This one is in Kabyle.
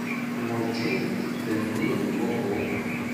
Werǧin d-tennim uhu.